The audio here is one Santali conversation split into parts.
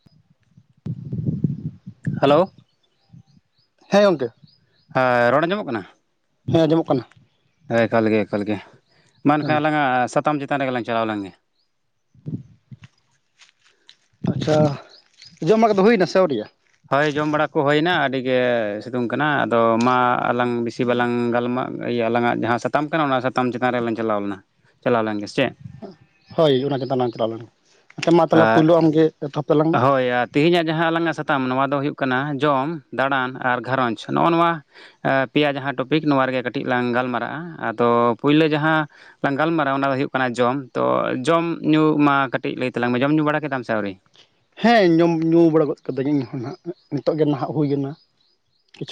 [inaudible] ᱦᱟᱞᱳ ᱦᱮᱸ ᱜᱚᱢᱠᱮ ᱦᱮᱸ ᱨᱚᱲ ᱟᱸᱡᱚᱢᱚᱜ ᱠᱟᱱᱟ ᱦᱮᱸ ᱟᱸᱡᱚᱢᱚᱜ ᱠᱟᱱᱟ ᱮᱠᱟᱞ ᱜᱮ ᱮᱠᱟᱞ ᱜᱮ ᱢᱟ ᱦᱳᱭ ᱮᱠᱷᱟᱱ ᱟᱞᱟᱝᱟᱜ ᱥᱟᱛᱟᱢ ᱪᱮᱛᱟᱱ ᱨᱮᱜᱮ ᱞᱟᱝ ᱪᱟᱞᱟᱣ ᱞᱮᱱ ᱜᱮ ᱟᱪᱷᱟ ᱡᱚᱵᱟᱠᱟ ᱫᱚ ᱦᱩᱭᱱᱟ ᱥᱮ ᱟᱣᱨᱤᱭᱟ ᱦᱳᱭ ᱡᱚᱢ ᱵᱟᱲᱟ ᱠᱚ ᱦᱩᱭᱮᱱᱟ ᱟᱹᱰᱤ ᱜᱮ ᱥᱤᱛᱩᱝ ᱠᱟᱱᱟ ᱟᱫᱚ ᱢᱟ ᱟᱞᱟᱝ ᱵᱤᱥᱤ ᱵᱟᱞᱟᱝ ᱜᱟᱞᱢᱟᱜ ᱤᱭᱟᱹ ᱟᱞᱟᱝᱟᱜ ᱡᱟᱦᱟᱸ ᱥᱟᱛᱟᱢ ᱠᱟᱱᱟ ᱚᱱᱟ ᱥᱟᱛᱟᱢ ᱪᱮᱛᱟᱱ ᱨᱮ ᱞᱟᱝ ᱪᱟᱞᱟᱣ ᱞᱮᱱᱟ ᱪᱟᱞᱟᱣ ᱞᱮᱱᱜᱮ ᱥᱮ ᱪᱮᱫ ᱦᱳᱭ ᱚᱱᱟ ᱪᱮᱛᱟᱱ ᱞᱟᱝ ᱪᱟᱞᱟᱣ ᱞᱮᱱᱟ ᱟᱪᱪᱷᱟ ᱢᱟ ᱛᱟᱦᱚᱞᱮ ᱯᱩᱭᱞᱩ ᱟᱢᱜᱮ ᱮᱛᱚᱦᱚᱵ ᱛᱟᱞᱟᱝ ᱢᱮ ᱛᱮᱦᱮᱧᱟᱜ ᱡᱟᱦᱟᱸ ᱟᱞᱟᱝ ᱟᱜ ᱥᱟᱛᱟᱢ ᱱᱚᱣᱟ ᱫᱚ ᱦᱩᱭᱩᱜ ᱠᱟᱱᱟ ᱡᱚᱢ ᱫᱟᱬᱟᱱ ᱟᱨ ᱜᱷᱟᱨᱚᱸᱡᱽ ᱱᱚᱜᱼᱚ ᱱᱚᱣᱟ ᱯᱮᱭᱟ ᱡᱟᱦᱟᱸ ᱴᱚᱯᱤᱠ ᱱᱚᱣᱟ ᱨᱮᱜᱮ ᱠᱟᱹᱴᱤᱡ ᱞᱟᱝ ᱜᱟᱞᱢᱟᱨᱟᱜᱼᱟ ᱟᱫᱚ ᱯᱩᱭᱞᱩ ᱡᱟᱦᱟᱸ ᱜᱟᱞᱢᱟᱨᱟᱣ ᱚᱱᱟ ᱫᱚ ᱦᱩᱭᱩᱜ ᱠᱟᱱᱟ ᱡᱚᱢ ᱛᱚ ᱡᱚᱢ ᱧᱩ ᱢᱟ ᱠᱟᱹᱴᱤᱡ ᱞᱟᱹᱭ ᱛᱮᱞᱟᱝ ᱡᱚᱢ ᱧᱩ ᱵᱟᱲᱟ ᱠᱮᱫᱟᱢ ᱥᱮ ᱟᱣᱨᱤ ᱦᱮᱸ ᱡᱚᱢ ᱧᱩ ᱵᱟᱲᱟ ᱜᱚᱫ ᱠᱟᱹᱫᱟᱹᱧ ᱤᱧᱦᱚᱸ ᱱᱟᱦᱟᱜ ᱱᱤᱛᱚᱜ ᱜᱮ ᱱᱟᱦᱟᱜ ᱦᱩᱭᱱᱟ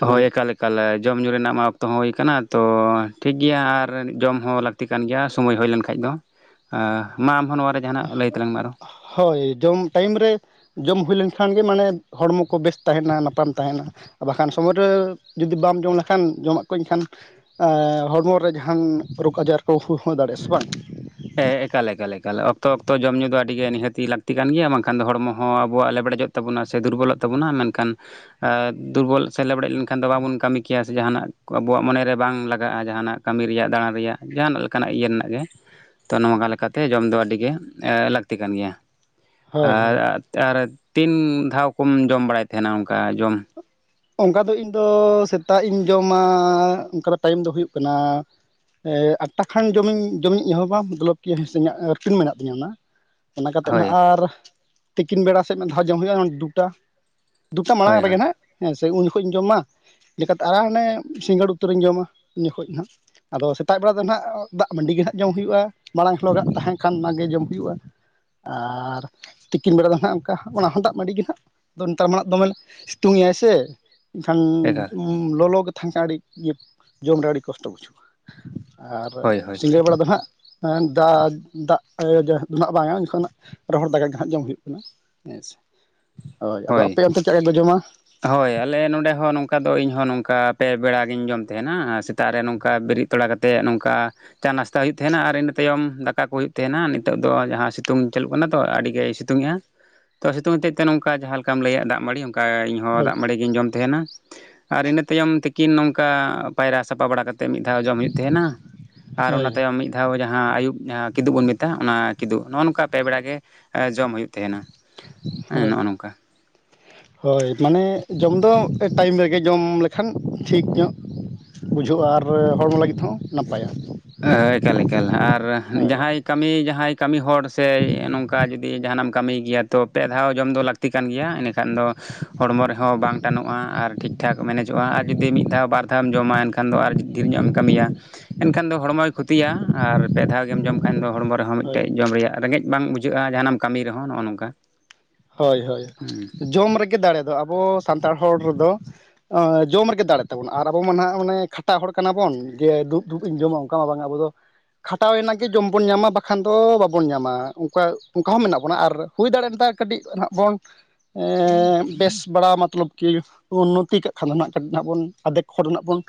ᱦᱳᱭ ᱮᱠᱟᱞ ᱮᱠᱟᱞ ᱡᱚᱢ ᱧᱩ ᱨᱮᱱᱟᱜ ᱢᱟ ᱚᱠᱛᱚ ᱦᱚᱸ ᱦᱩᱭ ᱟᱠᱟᱱᱟ ᱛᱚ ᱴᱷᱤᱠ ᱜᱮᱭᱟ ᱟᱨ ᱡᱚᱢ ᱦᱚᱸ ᱞᱟᱹᱠᱛᱤ ᱞᱟᱹᱠᱛᱤ ᱠᱟᱱ ᱜᱮᱭᱟ ᱥᱚᱢᱚᱭ ᱦᱩᱭ ᱞᱮᱱ ᱠᱷᱟᱡ ᱫᱚ ᱢᱟ ᱟᱢᱦᱚᱸ ᱱᱚᱣᱟ ᱨᱮ ᱡᱟᱦᱟᱱᱟᱜ ᱞᱟᱹᱭ ᱛᱟᱞᱟᱝ ᱢᱮ ᱟᱨᱚ ᱦᱳᱭ ᱡᱚᱢ ᱴᱟᱭᱤᱢ ᱨᱮ ᱡᱚᱢ ᱦᱩᱭ ᱞᱮᱱᱠᱷᱟᱱ ᱜᱮ ᱢᱟᱱᱮ ᱦᱚᱲᱢᱚ ᱠᱚ ᱵᱮᱥ ᱛᱟᱦᱮᱱᱟ ᱱᱟᱯᱟᱢ ᱛᱟᱦᱮᱱᱟ ᱵᱟᱠᱷᱟᱱ ᱥᱚᱢᱚᱭ ᱨᱮ ᱡᱩᱫᱤ ᱵᱟᱢ ᱡᱚᱢ ᱞᱮᱠᱷᱟᱱ ᱡᱚᱢᱟᱜ ᱠᱚ ᱮᱠᱷᱟᱱ ᱦᱚᱲᱢᱚ ᱨᱮ ᱡᱟᱦᱟᱱ ᱨᱳᱜᱽ ᱟᱡᱟᱨ ᱠᱚ ᱦᱩᱭ ᱫᱟᱲᱮᱭᱟᱜᱼᱟ ᱥᱮ ᱵᱟᱝ ᱮᱠᱟᱞᱮ ᱮᱠᱟᱞᱮ ᱮᱠᱟᱞᱮ ᱚᱠᱛᱚ ᱚᱠᱛᱚ ᱡᱚᱢ ᱧᱩ ᱫᱚ ᱟᱹᱰᱤ ᱜᱮ ᱱᱤᱦᱟᱹᱛᱤ ᱞᱟᱹᱠᱛᱤ ᱠᱟᱱ ᱜᱮᱭᱟ ᱵᱟᱝᱠᱷᱟᱱ ᱫᱚ ᱦᱚᱲᱢᱚ ᱦᱚᱸ ᱟᱵᱚᱣᱟᱜ ᱞᱮᱵᱲᱮᱡᱚᱜ ᱛᱟᱵᱚᱱᱟ ᱥᱮ ᱫᱩᱨᱵᱚᱞᱚᱜ ᱛᱟᱵᱚᱱᱟ ᱢᱮᱱᱠᱷᱟᱱ ᱫᱩᱨᱵᱚᱞ ᱥᱮ ᱞᱮᱫᱵᱲᱮᱡ ᱞᱮᱱᱠᱷᱟᱱ ᱫᱚ ᱵᱟᱵᱚᱱ ᱠᱟᱹᱢᱤ ᱠᱮᱭᱟ ᱥᱮ ᱡᱟᱦᱟᱱᱟᱜ ᱟᱵᱚᱣᱟᱜ ᱢᱚᱱᱮᱨᱮ ᱵᱟᱝ ᱞᱟᱜᱟᱜᱼᱟ ᱡᱟᱦᱟᱱᱟᱜ ᱠᱟᱹᱢᱤ ᱨᱮᱭᱟᱜ ᱫᱟᱲᱟᱱ ᱨᱮᱭᱟᱜ ᱡᱟᱦᱟᱱᱟᱜ ᱞᱮᱠᱟᱱᱟᱜ ᱤᱭᱟᱹ ᱨᱮᱱᱟᱜ ᱜᱮ ᱛᱚ ᱱᱚᱣᱠᱟ ᱞᱮᱠᱟᱛᱮ ᱡᱚᱢ ᱫᱚ ᱟᱹᱰᱤᱜᱮ ᱞᱟᱹᱠᱛᱤ ᱠᱟᱱ ᱜᱮᱭᱟ ᱦᱳᱭ ᱟᱨ ᱦᱳᱭ ᱟᱨ ᱛᱤᱱ ᱫᱷᱟᱣ ᱡᱚᱢ ᱵᱟᱲᱟᱭ ᱛᱟᱦᱮᱱᱟ ᱚᱱᱠᱟ ᱡᱚᱢ ᱚᱱᱠᱟ ᱫᱚ ᱤᱧᱫᱚ ᱥᱮᱛᱟᱜ ᱤᱧ ᱡᱚᱢᱟ ᱚᱱᱠᱟ ᱫᱚ ᱴᱟᱭᱤᱢ ᱫᱚ ᱦᱩᱭᱩᱜ ᱠᱟᱱᱟ ᱟᱴᱴᱟ ᱠᱷᱟᱱ ᱡᱚᱢᱤᱧ ᱡᱚᱢᱤᱧ ᱮᱦᱚᱵᱟ ᱛᱚᱞᱚᱵᱽ ᱠᱤᱭᱟᱹ ᱦᱤᱸᱥᱟᱹᱵ ᱤᱧᱟᱹᱜ ᱨᱩᱴᱤᱱ ᱢᱮᱱᱟᱜ ᱛᱤᱧᱟᱹ ᱚᱱᱟ ᱚᱱᱟ ᱠᱟᱛᱮᱫ ᱦᱟᱜ ᱦᱳᱭ ᱟᱨ ᱛᱤᱠᱤᱱ ᱵᱮᱲᱟ ᱥᱮᱫ ᱫᱷᱟᱣ ᱡᱚᱢ ᱦᱩᱭᱩᱜᱼᱟ ᱫᱩᱴᱟ ᱫᱩᱴᱟ ᱢᱟᱲᱟᱝ ᱦᱳᱭ ᱨᱮᱜᱮ ᱦᱳᱭ ᱦᱟᱸᱟᱜ ᱦᱮᱸ ᱥᱮ ᱩᱱ ᱡᱚᱠᱷᱚᱡ ᱤᱧ ᱡᱚᱢ ᱢᱟ ᱞᱮᱠᱟᱛᱮ ᱟᱨᱟᱜ ᱦᱟᱱᱮ ᱥᱤᱸᱜᱟᱹᱲ ᱩᱛᱟᱹᱨᱤᱧ ᱡᱚᱢᱟ ᱩᱱ ᱡᱚᱠᱷᱚᱡ ᱦᱟᱜ ᱟᱫᱚ ᱥᱮᱛᱟᱜ ᱵᱮᱲᱟ ᱫᱚ ᱱᱟᱦᱟᱜ ᱫᱟᱜ ᱢᱟᱹᱰᱤ ᱜᱮᱦᱟᱜ ᱡᱚᱢ ᱦᱩᱭᱩᱜᱼᱟ ᱢᱟᱲᱟᱝ ᱦᱤᱞᱳ ᱜᱟᱜ ᱛᱟᱦᱮᱸᱱ ᱠᱷᱟᱱ ᱚᱱᱟᱜᱮ ᱡᱚᱢ ᱦᱩᱭᱩᱜᱼᱟ ᱟᱨ ᱛᱤᱠᱤᱱ ᱵᱮᱲᱟ ᱫᱚ ᱱᱟᱦᱟᱜ ᱚᱱᱠᱟ ᱚᱱᱟ ᱦᱚᱸ ᱫᱟᱜ ᱢᱟᱹᱰᱤ ᱜᱮ ᱱᱟᱦᱟᱜ, ᱱᱮᱛᱟᱨ ᱢᱟᱜ ᱫᱚᱢᱮ ᱥᱤᱛᱩᱝ ᱮᱭᱟᱭ ᱥᱮ ᱮᱱᱠᱷᱟᱱ ᱮᱠᱟᱞ ᱞᱚᱞᱚᱜᱮ ᱛᱟᱦᱮᱱ ᱠᱷᱟᱱᱡ ᱟᱹᱰᱤ ᱡᱚᱢᱨᱮ ᱟᱹᱰᱤ ᱠᱚᱥᱴᱚ ᱵᱩᱪᱷᱩᱜᱼᱟ, ᱟᱨ ᱦᱳᱭ ᱦᱳᱭ ᱥᱤᱸᱜᱟᱹᱲ ᱵᱮᱲᱟ ᱫᱚ ᱦᱟᱸᱜᱼᱼ ᱫᱟᱜ, ᱫᱟᱜ ᱮ [unintelligible] ᱨᱚᱦᱚᱲ ᱫᱟᱜᱟ ᱜᱮ ᱦᱟᱸᱜ ᱡᱚᱢ ᱦᱩᱭᱩᱜ ᱠᱟᱱᱟ ᱾ ᱦᱮᱸ ᱥᱮ ᱦᱳᱭ ᱟᱫᱚ ᱟᱯᱮ ᱚᱱᱛᱮ ᱪᱮᱫ ᱞᱮᱠᱟ ᱠᱚ ᱡᱚᱢᱟ ᱦᱳᱭ ᱟᱞᱮ ᱱᱚᱸᱰᱮ ᱦᱚᱸ ᱱᱚᱝᱠᱟ ᱫᱚ ᱤᱧ ᱦᱚᱸ ᱱᱚᱝᱠᱟ ᱯᱮ ᱵᱮᱲᱟᱜᱤᱧ ᱡᱚᱢ ᱛᱟᱸᱦᱮᱱᱟ ᱥᱮᱛᱟᱜ ᱨᱮ ᱱᱚᱝᱠᱟ ᱵᱤᱨᱤᱫᱼᱼ ᱛᱷᱚᱲᱟ ᱠᱟᱛᱮᱫ ᱱᱚᱝᱠᱟᱼᱼ ᱪᱟ ᱱᱟᱥᱛᱟ ᱦᱩᱭᱩᱜ ᱛᱟᱦᱮᱱᱟ, ᱟᱨ ᱤᱱᱟᱹ ᱛᱟᱭᱚᱢ ᱫᱟᱠᱟ ᱠᱚ ᱦᱩᱭᱩᱜ ᱛᱟᱦᱮᱱᱟ, ᱱᱤᱛᱚᱜ ᱫᱚ ᱡᱟᱦᱟᱸ ᱥᱤᱛᱩᱝ ᱪᱟᱹᱞᱩᱜ ᱠᱟᱱᱟ ᱛᱚ ᱟᱹᱰᱤᱜᱮ ᱟᱭᱤᱥᱼᱼ ᱛᱩᱝ ᱮᱼᱟ, ᱛᱚ ᱥᱤᱛᱩᱝ ᱦᱚᱛᱮᱡ ᱛᱮ ᱱᱚᱝᱠᱟ ᱡᱟᱦᱟᱸ ᱞᱮᱠᱟᱢ ᱞᱟᱹᱭᱟ ᱫᱟᱜ ᱢᱟᱹᱲᱤ ᱚᱱᱠᱟ ᱤᱧᱚᱸ ᱞᱳᱞᱳ ᱦᱳᱭ ᱫᱟᱜ ᱢᱟᱹᱲᱤ ᱜᱤᱧ ᱡᱚᱢ ᱛᱮᱦᱮᱸᱱᱟ, ᱟᱨ ᱤᱱᱟᱹ ᱛᱟᱭᱚᱢ ᱛᱤᱠᱤᱱ ᱱᱚᱝᱠᱟ ᱯᱟᱭᱨᱟ ᱥᱟᱯᱟ ᱵᱟᱲᱟ ᱠᱟᱛ- ᱛᱮ ᱢᱤᱫ ᱫᱷᱟᱣ ᱡᱚᱢ ᱦᱳᱭᱳᱜ ᱛᱮᱦᱮᱸᱱᱟ ᱟᱨ ᱦᱳᱭ ᱚᱱᱟ ᱛᱟᱭᱚᱢ ᱢᱤᱫ ᱟᱵᱚ ᱡᱟᱦᱟᱸ ᱟᱹᱭᱩᱵ ᱡᱟᱦᱟᱸ ᱠᱤᱫᱩᱵ ᱵᱚᱱ ᱢᱮᱛᱟᱜᱼᱟ, ᱚᱱᱟ ᱠᱤᱫᱩᱜ, ᱱᱚᱜᱼᱚ ᱱᱚᱝᱠᱟ ᱯᱮ ᱵᱮᱲᱟ ᱜᱮ ᱡᱚᱢ ᱦᱩᱭᱩᱜ᱾ ᱠᱟᱱᱟ ᱛᱮᱦᱮᱱᱟ, ᱦᱮᱸ ᱦᱳᱭ ᱱᱚᱜᱼᱚ ᱱᱚᱝᱠᱟ᱾ ᱦᱳᱭ ᱢᱟᱱᱮ ᱡᱚᱢ ᱫᱚ ᱮ ᱴᱟᱹᱭᱤᱢ ᱨᱮᱜᱮ ᱡᱚᱢ ᱞᱮᱠᱷᱟᱱ ᱴᱷᱤᱠ ᱧᱚᱜ, ᱵᱩᱡᱷᱟᱹᱜᱼᱟ ᱟᱨ ᱦᱚᱲᱢᱚ ᱞᱟᱹᱜᱤᱫ ᱛᱮᱦᱚᱸ ᱱᱟᱯᱟᱭᱟ᱾ ᱮᱦᱚᱭ, ᱮᱠᱟᱞ ᱮᱠᱟᱞ ᱟᱨ ᱦᱳᱭ ᱡᱟᱦᱟᱸᱭ ᱠᱟᱹᱢᱤ ᱡᱟᱦᱟᱸᱭ ᱠᱟᱹᱢᱤ ᱦᱚᱲ ᱥᱮ ᱱᱚᱝᱠᱟ ᱡᱩᱫᱤ ᱡᱟᱦᱟᱸᱱᱟᱢ ᱠᱟᱹᱢᱤ ᱜᱮᱭᱟ ᱛᱚ ᱯᱮ ᱫᱷᱟᱣ ᱡᱚᱢ ᱫᱚ ᱞᱟᱹᱠᱛᱤ ᱠᱟᱱ ᱜᱮᱭᱟ, ᱤᱱᱟᱹᱠᱷᱟᱱ ᱫᱚ ᱦᱚᱲᱢᱚ ᱨᱮᱦᱚᱸ ᱵᱟᱝ ᱴᱟᱱᱚᱜᱼᱟ ᱟᱨ ᱴᱷᱤᱠ ᱴᱷᱟᱠ ᱢᱮᱱᱮᱡᱚᱜᱼᱟ ᱟᱨ ᱡᱩᱫᱤ ᱢᱤᱫ ᱫᱷᱟᱣ ᱵᱟᱨ ᱫᱷᱟᱣ ᱮᱢ ᱡᱚᱢᱟ ᱮᱱᱠᱷᱟ- ᱠᱷᱟᱱ ᱫᱚ ᱟᱨᱡ ᱰᱷᱤᱨ ᱧᱚᱜ ᱮᱢ ᱠᱟᱹᱢᱤᱭᱟ, ᱮᱠᱷᱟᱱ ᱮᱱᱠᱷᱟᱱ ᱫᱚ ᱦᱚᱲᱢᱚᱭ ᱠᱷᱩᱛᱤᱭᱟ ᱟᱨ ᱯᱮ ᱫᱷᱟᱣ ᱜᱮᱢ ᱡᱚᱢ ᱠᱷᱟᱱ ᱫᱚ ᱦᱚᱲᱢᱚ ᱨᱮᱦᱚᱸ ᱦᱳᱭ ᱢᱤᱫᱴᱮᱡ ᱡᱚᱢ ᱨᱮᱭᱟᱜ ᱨᱮᱸᱜᱮᱡ ᱵᱟᱝ ᱵᱩᱡᱷᱟᱹᱜᱼᱟ ᱡᱟᱦᱟᱸ ᱱᱟᱢ ᱠᱟᱹᱢᱤ ᱨᱮᱦᱚᱸ ᱱᱚᱜᱼᱚ ᱱᱚᱝᱠᱟ? ᱦᱳᱭ ᱦᱳᱭ ᱦᱩᱸ ᱡᱚᱢ ᱨᱮᱜᱮ ᱫᱟᱲᱮ ᱫᱚ ᱟᱵᱚ ᱥᱟᱱᱛᱟᱲ ᱦᱚᱲ ᱨᱮᱫᱚ ᱚᱸ ᱡᱚᱢ ᱨᱮᱜᱮ ᱫᱟᱲᱮ ᱛᱟᱵᱚᱱ, ᱟᱨ ᱟᱵᱚ ᱢᱟ ᱱᱷᱟᱸᱜ ᱢᱟᱱᱮ ᱠᱷᱟᱴᱟᱜ ᱦᱚᱲ ᱠᱟᱱᱟ ᱵᱚᱱ, ᱜᱮ ᱫᱩᱵ ᱫᱩᱵ ᱤᱧ ᱡᱚᱢᱟ ᱩᱸ- ᱠᱟ ᱢᱟ ᱵᱟᱝ ᱟ, ᱟᱵᱚ ᱫᱚ ᱠᱷᱟᱴᱟᱣ ᱮᱱᱟᱝ ᱜᱮ ᱡᱚᱢ ᱵᱚᱱ ᱧᱟᱢᱟ, ᱵᱟᱠᱷᱟᱱ ᱫᱚ ᱵᱟᱵᱚᱱ ᱧᱟᱢᱟ, ᱚᱸᱠᱟ ᱚᱸᱠᱟ ᱦᱚᱸ ᱢᱮᱱᱟᱜ ᱵᱚᱱᱟ ᱟᱨ ᱦᱩᱭ ᱫᱟᱲᱮᱜᱼᱟ ᱢᱤᱫ ᱫᱷᱟᱣ ᱠᱟᱹᱴᱤᱡ ᱱᱟᱦᱜ ᱵᱚᱱ ᱮᱸ ᱵᱮᱥ ᱵᱟᱲᱟ ᱢᱚᱛᱞᱚᱵᱽ ᱠᱤ? ᱩᱱᱚᱛᱤ ᱠᱟᱜ ᱠᱷᱟᱱ ᱫᱚ ᱠᱟᱹᱴᱤᱡ ᱱᱟᱜ ᱵᱚᱱ ᱟᱫᱷᱮᱠ ᱦᱚᱲ ᱨᱮᱱᱟᱜ ᱵᱚᱱ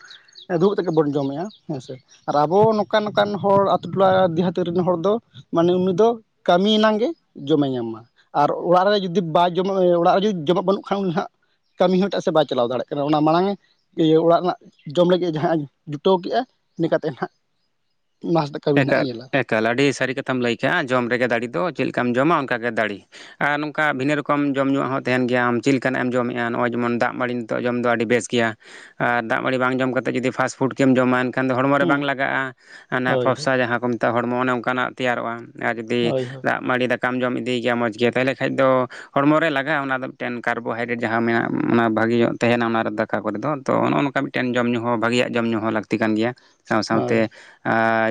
ᱫᱩᱲᱩᱵ ᱛᱮᱜᱮ ᱵᱚᱱ ᱡᱚᱢᱮᱜᱼᱟ ᱦᱮᱸ ᱥᱮ ᱟᱨ ᱟᱵᱚ ᱱᱚᱝᱠᱟᱱ ᱱᱚᱝᱠᱟᱱ ᱦᱚᱲ ᱟᱹᱛᱩ ᱴᱚᱞᱟ ᱫᱤᱦᱟᱹᱛᱤ ᱨᱮᱱ ᱦᱚᱲ ᱫᱚ ᱢᱟᱱᱮ ᱩᱱᱤ ᱫᱚ ᱠᱟᱹᱢᱤ ᱮᱱᱟᱝ ᱜᱮ ᱡᱚᱢᱮ ᱧᱟᱢᱟ ᱟᱨ ᱚᱲᱟᱜ ᱨᱮ ᱡᱩᱫᱤ ᱵᱟᱭ ᱡᱚᱢᱟ ᱚᱲᱟᱜ ᱨᱮ ᱡᱩᱫᱤ ᱡᱚᱢᱟᱜ ᱵᱟᱹᱱᱩᱜ ᱠᱷᱟᱱ ᱩᱱᱤ ᱦᱟᱸᱜ ᱠᱟᱹᱢᱤ ᱦᱚ ᱮᱴᱟᱜ ᱥᱮ ᱵᱟᱭ ᱪᱟᱞᱟᱣ ᱫᱟᱲᱮᱭᱟᱜ ᱠᱟᱱᱟ ᱚᱱᱟ ᱢᱟᱲᱟᱝ ᱤᱭᱟᱹ ᱚᱲᱟᱜ ᱨᱮᱱᱟᱜ ᱡᱚᱢ ᱞᱟᱹᱜᱤᱫ ᱡᱟᱦᱟᱸ ᱡᱩᱴᱟᱹᱣ ᱠᱮᱜᱼᱟ ᱤᱱᱟᱹ ᱠᱟᱛᱮ ᱦᱟᱸᱜ ᱢᱟᱥ ᱮᱠᱟᱞ ᱮᱠᱟᱞ ᱟᱹᱰᱤ ᱥᱟᱹᱨᱤ ᱠᱟᱛᱷᱟᱢ ᱞᱟᱹᱭ ᱠᱟᱜᱼᱟ ᱡᱚᱢ ᱛᱮᱜᱮ ᱫᱟᱲᱮ ᱫᱚ ᱪᱮᱫ ᱞᱮᱠᱟᱢ ᱡᱚᱢᱟ ᱚᱱᱠᱟ ᱜᱮ ᱫᱟᱲᱮ ᱟᱨ ᱱᱚᱝᱠᱟ ᱵᱷᱤᱱᱟᱹ ᱨᱚᱠᱚᱢ ᱡᱚᱢᱧᱩ ᱩᱣᱟᱜ ᱦᱚᱸ ᱛᱟᱦᱮᱱ ᱜᱮᱭᱟ ᱟᱢ ᱪᱮᱫ ᱞᱮᱠᱟᱱᱟᱜ ᱮᱢ ᱡᱚᱢᱮᱜᱼᱟ ᱱᱚᱜᱼᱚᱭ ᱡᱮᱢᱚᱱ ᱫᱟᱜ ᱢᱟᱲᱤᱱ ᱱᱤᱛᱚᱜ ᱡᱚᱢ ᱫᱚ ᱟᱹᱰᱤ ᱵᱮᱥ ᱜᱮᱭᱟ ᱟᱨ ᱫᱟᱜ ᱢᱟᱹᱲᱤ ᱵᱟᱝ ᱡᱚᱢ ᱠᱟᱛᱮᱫ ᱡᱩᱫᱤ ᱯᱷᱟᱥ ᱯᱷᱩᱰ ᱜᱮᱢ ᱡᱚᱢᱟ ᱮᱱᱠ ᱮᱱᱠᱷᱟᱱ ᱫᱚ ᱦᱚᱲᱢᱚ ᱨᱮ ᱦᱩᱸ ᱵᱟᱝ ᱞᱟᱜᱟᱜᱼᱟ ᱟᱱᱟ ᱦᱳᱭ ᱦᱳᱭ ᱡᱟᱦᱟᱸ ᱠᱚ ᱢᱮᱛᱟᱜᱼᱟ ᱦᱚᱲᱢᱚ ᱚᱱᱮ ᱚᱱᱠᱟᱱᱟᱜ ᱛᱮᱭᱟᱨᱚᱜᱼᱟ ᱟᱨ ᱡᱩᱫᱤ ᱦᱳᱭ ᱫᱟᱜ ᱢᱟᱬᱤ ᱫᱟᱠᱟ ᱫᱟᱠᱟᱢ ᱡᱚᱢ ᱤᱫᱤᱭ ᱜᱮᱭᱟ ᱢᱚᱡᱽ ᱜᱮ ᱛᱟᱦᱚᱞᱮ ᱠᱷᱟᱡ ᱫᱚ ᱦᱚᱲᱢᱚ ᱨᱮ ᱞᱟᱜᱟᱜᱼᱟ ᱚᱱᱟ ᱫᱚ ᱢᱤᱫᱴᱮᱱ ᱠᱟᱨᱵᱳᱦᱟᱭᱰᱨᱮᱴ ᱡᱟᱦᱟᱸ ᱢᱮᱱᱟᱜᱼᱟ ᱚᱱᱟ ᱵᱷᱟᱹᱜᱮ ᱧᱚᱜ ᱛᱟᱦᱮᱱᱟ ᱚᱱᱟ ᱫᱟᱠᱟ ᱠᱚᱨᱮ ᱫᱚ ᱛᱚ ᱱᱚᱜᱼᱚ ᱱᱚᱝᱠᱟ ᱢᱤᱫᱴᱮᱱ ᱡᱚᱢ ᱧᱩ ᱦᱚᱸ ᱵᱷᱟᱜᱮᱭᱟᱜ ᱡᱚᱢ ᱧᱩ ᱦᱚᱸ ᱞᱟᱹᱠᱛᱤ ᱠᱟᱱ ᱜᱮᱭᱟ ᱥᱟᱶ ᱦᱳᱭ ᱥᱟᱶᱛᱮ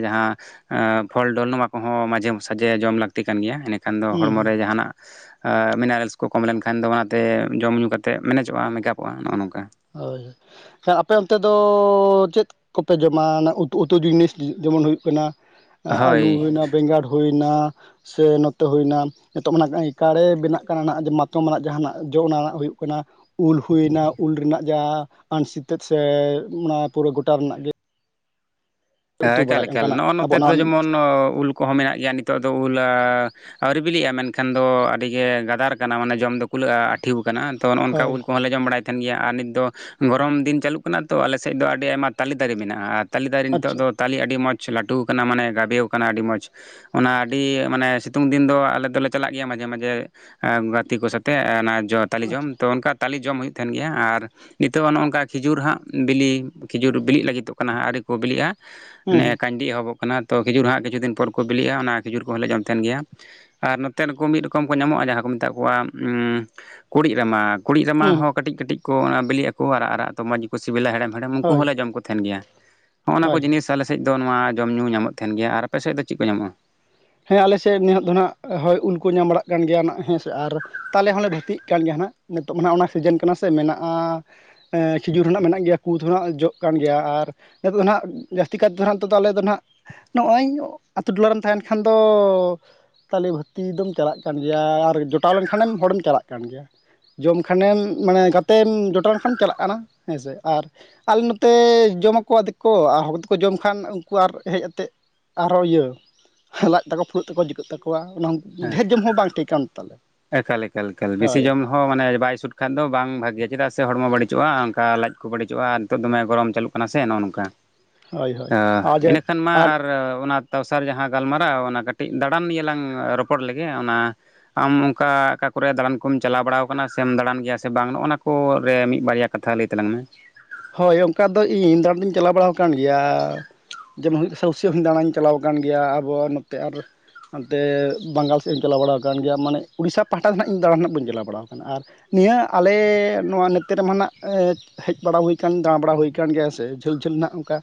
ᱡᱟᱦᱟᱸ ᱟᱸ ᱯᱷᱚᱞ ᱰᱚᱞ ᱱᱚᱣᱟ ᱠᱚᱦᱚᱸ ᱢᱟᱡᱷᱮ ᱥᱟᱡᱷᱮ ᱡᱚᱢ ᱞᱟᱹᱠᱛᱤ ᱠᱟᱱ ᱜᱮᱭᱟ ᱮᱱᱮ ᱠᱷᱟᱱ ᱫᱚ ᱦᱩᱸ ᱦᱚᱲᱢᱚ ᱦᱩᱸ ᱨᱮ ᱡᱟᱦᱟ ᱱᱟᱜ ᱢᱤᱱᱟᱨᱮᱞᱥ ᱠᱚ ᱠᱚᱢ ᱞᱮᱱᱠᱷᱟᱱ ᱫᱚ ᱚᱱᱟᱛᱮ ᱡᱚᱢᱼ ᱧᱩ ᱠᱟᱛᱮᱫ ᱢᱮᱱᱮᱡᱚᱜᱼᱟ ᱢᱮᱠᱟᱯᱚᱜᱼᱟ ᱱᱚᱜᱼᱚ ᱱᱚᱝᱠᱟ ᱦᱳᱭ ᱟᱯᱮ ᱚᱱ ᱛᱮ ᱫᱚ ᱪᱮᱫ ᱠᱚᱯᱮ ᱡᱚᱢᱟ ᱚᱱᱟ ᱩᱛᱩ ᱩᱛᱩ ᱡᱤᱱᱤᱥ ᱜᱤ ᱡᱮᱢᱚᱱ ᱦᱩᱭᱩᱜ ᱠᱟᱱᱟ ᱟᱹᱞᱩ ᱦᱳᱭ ᱦᱩᱭᱱᱟ ᱵᱮᱸᱜᱟᱲ ᱦᱩᱭᱱᱟ ᱥᱮ ᱱᱚᱛᱮ ᱦᱩᱭᱱᱟ ᱱᱤᱛᱚᱜ ᱢᱟᱱᱟᱜ ᱠᱟᱲᱮ ᱵᱮᱱᱟᱜ ᱠᱟᱱᱟ ᱱᱟᱜ ᱢᱟᱛᱚᱢ ᱟᱱᱟᱜ ᱡᱟᱦᱟᱱᱟᱜ ᱡᱚ ᱚᱱᱟ ᱨᱮᱱᱟᱜ ᱦᱩᱭᱩᱜ ᱠᱟᱱᱟ ᱩᱞ ᱦᱩᱭᱱᱟ ᱩᱞ ᱨᱮᱱᱟᱜ ᱡᱟ ᱟᱹᱱᱥᱤᱛᱟᱹᱛ ᱥᱮ ᱚᱱᱟ ᱯᱩᱨᱟᱹ ᱜᱚᱴᱟ ᱨᱮᱱᱟᱜ ᱜᱮ ᱩᱛᱩ ᱮᱠᱟᱞ ᱵᱟᱲᱟᱭᱮᱫ ᱮᱠᱟᱞ ᱚᱱᱠᱟᱱᱟᱜ ᱱᱚᱜᱚ ᱟᱵᱚ ᱱᱚᱛᱮ ᱚᱱᱟ ᱫᱚ ᱡᱮᱢᱚᱱ ᱩᱞ ᱠᱚᱦᱚᱸ ᱢᱮᱱᱟᱜ ᱜᱮᱭᱟ ᱱᱤᱛᱚᱜ ᱫᱚ ᱩᱞ ᱟᱹᱣᱨᱤ ᱵᱤᱞᱤᱜᱼᱟ ᱢᱮᱱᱠᱷᱟᱱ ᱫᱚ ᱟᱹᱰᱤᱜᱮ ᱜᱟᱫᱟᱨ ᱠᱟᱱᱟ ᱢᱟᱱᱮ ᱡᱚᱢ ᱫᱚ ᱠᱩᱞᱟᱹᱜᱼᱟ ᱟᱹᱴᱷᱤᱣ ᱟᱠᱟᱱᱟ ᱛᱚ ᱱᱚᱜᱼ ᱚᱱ ᱠᱟ ᱦᱳᱭ ᱩᱞ ᱠᱚᱦᱚᱸ ᱞᱮ ᱡᱚᱢ ᱵᱟᱲᱟᱭᱮᱛ ᱛᱟᱦᱮᱱ ᱜᱮᱭᱟ ᱟᱨ ᱱᱤᱛ ᱫᱚ ᱜᱚᱨᱚᱢ ᱫᱤᱱ ᱪᱟᱹᱞᱩᱜ ᱠᱟᱱᱟ ᱛᱚ ᱟᱞᱮᱥᱮᱫ ᱫᱚ ᱟᱹᱰᱤ ᱟᱭᱢᱟ ᱛᱟᱞᱮ ᱫᱟᱨᱮ ᱢᱮᱱᱟᱜᱼᱟ ᱛᱟᱞᱮ ᱫᱟᱨᱮ ᱱᱤᱛᱚᱜ ᱟᱪᱪᱷᱟ ᱫᱚ ᱛᱟᱞᱮ ᱟᱹᱰᱤ ᱢᱚᱡᱽ ᱞᱟᱹᱴᱩ ᱟᱠᱟᱱᱟ ᱢᱟᱱᱮ ᱜᱟᱵᱮᱣ ᱟᱠᱟᱱᱟ ᱟᱹᱰᱤ ᱢᱚᱡᱽ ᱚᱱᱟ ᱟᱹᱰᱤ ᱢᱟᱱᱮ ᱥᱤᱛᱩᱝ ᱫᱤᱱ ᱫᱚ ᱟᱞᱮ ᱫᱚᱞᱮ ᱪᱟᱞᱟᱜ ᱜᱮᱭᱟ ᱢᱟᱡᱮ ᱢᱟᱡᱮ ᱜᱟᱛᱮ ᱠᱚ ᱥᱟᱛᱮᱜ ᱚᱱᱟ ᱡᱚ ᱛᱟᱞᱮ ᱟᱪᱪᱷᱟ ᱡᱚᱢ ᱛᱚ ᱚᱱᱠᱟ ᱛᱟᱞᱮ ᱡᱚᱢ ᱦᱩᱭᱩᱜ ᱛᱟᱦᱮᱱ ᱜᱮᱭᱟ ᱟᱨ ᱱᱤᱛᱚᱜ ᱱᱚᱜ ᱚᱝᱠᱟ ᱠᱷᱤᱡᱩᱨ ᱦᱟᱸᱜ ᱵᱤᱞᱤ ᱠᱷᱤᱡᱩᱨ ᱵᱤᱞᱤᱜ ᱞᱟᱹᱜᱤᱫᱚᱜ ᱠᱟᱱᱟ ᱦᱟᱸᱜ ᱟᱹᱨᱤ ᱠᱚ ᱵᱤᱞᱤᱜᱼᱟ ᱦᱩᱸ ᱱᱮᱜ ᱮ ᱦᱩᱸ ᱠᱟᱱᱰᱤ ᱮᱦᱚᱵᱚᱜ ᱠᱟᱱᱟ ᱛᱚ ᱠᱷᱤᱡᱩᱨ ᱦᱟᱸᱜ ᱠᱤᱪᱷᱩ ᱫᱤᱱ ᱯᱚᱨ ᱠᱚ ᱵᱤᱞᱤᱜᱼᱟ ᱚᱱᱟ ᱠᱷᱤᱡᱩᱨ ᱠᱚᱦᱚᱸ ᱞᱮ ᱡᱚᱢ ᱛᱟᱦᱮᱱ ᱜᱮᱭᱟ ᱟᱨ ᱱᱚᱛᱮᱱ ᱠᱚ ᱢᱤᱫ ᱨᱚᱠᱚᱢ ᱠᱚ ᱧᱟᱢᱚᱜᱼᱟ ᱡᱟᱦᱟᱸ ᱠᱚ ᱢᱮᱛᱟᱜ ᱠᱚᱣᱟ ᱠᱩᱲᱤᱫ ᱨᱟᱢᱟ ᱠᱩᱲᱤᱫ ᱨᱟᱢᱟ ᱦᱩᱸ ᱦᱚᱸ ᱠᱟᱹᱴᱤᱡ ᱠᱟᱹᱴᱤᱡ ᱠᱚ ᱚᱱᱟ ᱵᱤᱞᱜ ᱟᱠᱚ ᱟᱨᱟᱜ ᱟᱨᱟᱜ ᱛᱚ ᱢᱚᱡᱽ ᱜᱮᱠᱚ ᱥᱤᱵᱤᱞᱟ ᱦᱮᱲᱮᱢ ᱦᱮᱲᱮᱢ ᱩᱱᱠᱩ ᱦᱳᱭ ᱦᱚᱸᱞᱮ ᱡᱚᱢ ᱠᱚ ᱛᱟᱦᱮᱱ ᱜᱮᱭᱟ ᱱᱚᱣᱟ ᱠᱚ ᱦᱳᱭ ᱡᱤᱱᱤᱥ ᱟᱞᱮᱥᱮᱫ ᱫᱚ ᱱᱚᱣᱟ ᱡᱚᱢᱼ ᱧᱩ ᱧᱟᱢᱚᱜ ᱛᱟᱦᱮᱱ ᱜᱮᱭᱟ ᱟᱨ ᱟᱯᱮᱥᱮᱫ ᱫᱚ ᱪᱮᱫ ᱠᱚ ᱧᱟᱢᱚᱜᱼᱟ? ᱦᱮᱸ ᱟᱞᱮ ᱥᱮᱫ ᱱᱤᱦᱟᱜ ᱫᱚ ᱱᱟᱜ ᱦᱳᱭ ᱩᱞ ᱠᱚ ᱧᱟᱢ ᱵᱟᱲᱟᱜ ᱠᱟᱱ ᱜᱮᱭᱟ ᱱᱟᱜ ᱦᱮᱸᱥᱮ ᱟᱨ ᱛᱟᱞᱮ ᱦᱚᱸᱞᱮ ᱵᱷᱟᱹᱛᱤᱜ ᱠᱟᱱ ᱜᱮᱭᱟ ᱦᱟᱱᱟᱜ ᱱᱤᱛᱚᱜ ᱢᱟᱱᱟᱦᱟᱜ ᱚᱱᱟ ᱥᱤᱡᱤᱱ ᱠᱟᱱᱟ ᱥᱮ ᱢᱮᱱᱟᱜᱼᱟ ᱮᱸ ᱠᱷᱤᱡᱩᱨ ᱦᱚᱸᱱᱟᱜ ᱢᱮᱱᱟᱜ ᱜᱮᱭᱟ ᱠᱩᱫ ᱦᱚᱸᱱᱟᱜ ᱡᱚᱜ ᱠᱟᱱ ᱜᱮᱭᱟ ᱟᱨ ᱦᱮᱛᱚᱜ ᱫᱚ ᱦᱟᱸᱜ ᱡᱟᱹᱥᱛᱤ ᱠᱟᱭ ᱛᱮᱫᱚᱜ ᱱᱤᱛᱚᱜ ᱫᱚ ᱟᱞᱮ ᱫᱚ ᱱᱟᱦᱟᱸᱜ ᱱᱚᱜᱼᱚᱭ ᱟᱛᱳ ᱴᱚᱞᱟ ᱨᱮᱢ ᱛᱟᱦᱮᱱ ᱠᱷᱟᱱ ᱫᱚ ᱛᱟᱞᱮ ᱵᱷᱟᱹᱛᱤ ᱫᱚᱢ ᱪᱟᱞᱟᱜ ᱠᱟᱱ ᱜᱮᱭᱟ ᱟᱨ ᱡᱚᱴᱟᱣ ᱞᱮᱱᱠᱷᱟᱱᱮᱢ ᱦᱚᱲᱮᱢ ᱪᱟᱞᱟᱜ ᱠᱟᱱ ᱜᱮᱭᱟ ᱡᱚᱢ ᱠᱷᱟᱱᱮᱢ ᱢᱟᱱᱮ ᱜᱟᱛᱮᱢ ᱡᱚᱴᱟᱣ ᱞᱮᱱᱠᱷᱟᱱᱮᱢ ᱪᱟᱞᱟᱜ ᱠᱟᱱᱟ ᱦᱮᱸ ᱥᱮ ᱟᱨ ᱟᱞᱮ ᱱᱚᱛᱮ ᱡᱚᱢᱠᱚᱣᱟᱫᱮᱠᱚ ᱟᱨ ᱦᱚᱲ ᱛᱮᱠᱚ ᱡᱚᱢ ᱠᱷᱟᱱ ᱩᱱᱠᱩ ᱟᱨ ᱦᱮᱡ ᱟᱛᱮᱜ ᱟᱨᱚ ᱤᱭᱟᱹ ᱠᱦᱟᱞᱟᱜ ᱛᱟᱠᱚ ᱯᱷᱩᱲᱩᱜ ᱛᱟᱠᱚ ᱡᱤᱠᱟᱹᱜ ᱛᱟᱠᱚᱣᱟ ᱚᱱᱟ ᱰᱷᱮᱨ ᱡᱚᱢ ᱦᱚᱸ ᱵᱟᱝ ᱴᱷᱤᱠᱟᱱ ᱛᱟᱞᱮ ᱮᱠᱟᱞ ᱮᱠᱟᱞ ᱮᱠᱟᱞ ᱵᱤᱥᱤ ᱦᱳᱭ ᱡᱚᱢ ᱦᱚᱸ ᱢᱟᱱᱮ ᱵᱟᱭ ᱥᱩᱴ ᱠᱷᱟᱱ ᱫᱚ ᱵᱟᱝ ᱵᱷᱟᱜᱮᱭᱟ ᱪᱮᱫᱟᱜ ᱥᱮ ᱦᱚᱲᱢᱚ ᱵᱟᱹᱲᱤᱡᱚᱜᱼᱟ ᱚᱱᱠᱟ ᱞᱟᱡ ᱠᱚ ᱵᱟᱹᱲᱤᱡᱚᱜᱼᱟ ᱱᱤᱛᱚᱜ ᱫᱚᱢᱮ ᱜᱚᱨᱚᱢ ᱪᱟᱞᱩᱜ ᱠᱟᱱᱟ ᱚᱱᱟ‌ ᱥᱮ‌ ᱱᱚᱜᱼᱚ ᱱᱚᱝᱠᱟ ᱦᱳᱭ ᱦᱳᱭ ᱚ ᱟᱨ ᱡᱮ ᱤᱱᱟᱹᱠᱷᱟᱱ ᱢᱟ ᱟᱨ ᱚᱱᱟ ᱛᱚᱥᱟᱨ ᱡᱟᱦᱟᱸ ᱜᱟᱞᱢᱟᱨᱟᱣ ᱚᱱᱟ ᱠᱟᱹᱴᱤᱡ ᱫᱟᱬᱟᱱ ᱱᱤᱭᱮ ᱞᱟᱝ ᱨᱚᱯᱚᱲ ᱞᱮᱜᱮ ᱚᱱᱟ ᱟᱢ ᱚᱠᱟ ᱚᱠᱟ ᱠᱚᱨᱮ ᱫᱟᱬᱟᱱ ᱠᱚᱢ ᱪᱟᱞᱟᱣ ᱵᱟᱲᱟᱣ ᱠᱟᱱᱟ ᱥᱮᱢ ᱫᱟᱬᱟᱱ ᱜᱮᱭᱟ ᱥᱮ ᱵᱟᱝ ᱱᱚᱜᱼᱚ ᱱᱚᱣᱟ ᱠᱚ ᱨᱮ ᱢᱤᱫ ᱵᱟᱨᱭᱟ ᱠᱟᱛᱷᱟ ᱞᱟᱹᱭ ᱛᱟᱞᱟᱝ ᱢᱮ ᱦᱳᱭ ᱚᱱᱠᱟ ᱫᱚ ᱤᱧ ᱫᱟᱬᱟᱱ ᱫᱚᱧ ᱪᱟᱞᱟᱣ ᱵᱟᱲᱟ ᱟᱠᱟᱱ ᱜᱮᱭᱟ ᱡᱮᱢᱚᱱ ᱥᱟᱹᱣᱥᱟᱹ ᱦᱚᱸᱧ ᱫᱟᱬᱟᱧ ᱪᱟᱞᱟᱣ ᱟᱠᱟᱱ ᱜᱮᱭᱟ ᱟᱵᱚᱣᱟᱜ ᱱᱚᱛᱮ ᱟᱨ ᱦᱟᱱᱛᱮ ᱵᱟᱝᱜᱟᱞ ᱥᱮᱫ ᱤᱧ ᱪᱟᱞᱟᱣ ᱵᱟᱲᱟᱣ ᱟᱠᱟᱱ ᱜᱮᱭᱟ ᱢᱟᱱᱮ ᱩᱲᱤᱥᱥᱟ ᱯᱟᱦᱴᱟ ᱫᱚ ᱱᱟᱦᱟᱜ ᱤᱧ ᱫᱟᱬᱟᱱ ᱦᱟᱜ ᱵᱟᱹᱧ ᱪᱟᱞᱟᱣ ᱵᱟᱲᱟᱣ ᱟᱠᱟᱱᱟ ᱟᱨ ᱱᱤᱭᱟᱹ ᱟᱞᱮ ᱱᱚᱣᱟ ᱱᱚᱛᱮ ᱨᱮᱢᱟ ᱱᱟᱸᱜ ᱦᱮᱡ ᱵᱟᱲᱟ ᱦᱩᱭ ᱠᱟᱱ ᱫᱟᱬᱟᱵᱲᱟ ᱦᱩᱭ ᱠᱟᱱ ᱜᱮᱭᱟ ᱥᱮ ᱡᱷᱟᱹᱞ ᱡᱷᱟᱹᱞ ᱱᱟᱜ ᱚᱱᱠᱟ